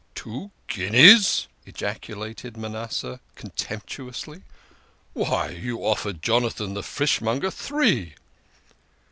" Two guineas !" ejaculated Manasseh contemptuously. " Why you offered Jonathan, the fishmonger, three